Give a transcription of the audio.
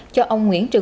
cho ông nguyễn văn siêu